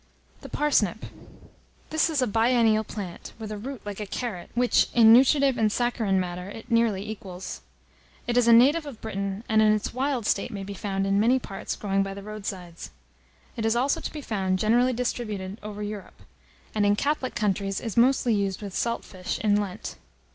THE PARSNIP. This is a biennial plant, with a root like a carrot, which, in nutritive and saccharine matter, it nearly equals. It is a native of Britain, and, in its wild state, may be found, in many parts, growing by the road sides. It is also to be found, generally distributed over Europe; and, in Catholic countries, is mostly used with salt fish, in Lent.